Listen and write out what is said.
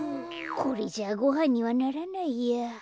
これじゃごはんにはならないや。